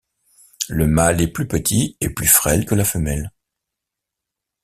Le mâle est plus petit et plus frêle que la femelle.